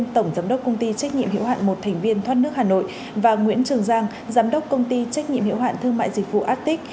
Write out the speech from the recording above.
trách nhiệm hiểu hạn một thành viên thoát nước hà nội và nguyễn trường giang giám đốc công ty trách nhiệm hiểu hạn thương mại dịch vụ arctic